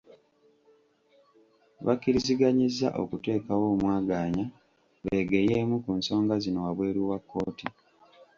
Bakkiriziganyizza okuteekawo omwaganya beegeyeemu ku nsonga zino wabweru wa kkooti.